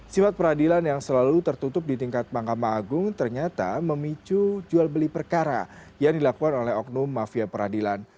sifat peradilan yang selalu tertutup di tingkat mahkamah agung ternyata memicu jual beli perkara yang dilakukan oleh oknum mafia peradilan